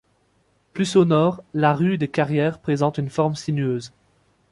Plus au nord, la rue des Carrières présente une forme sinueuse.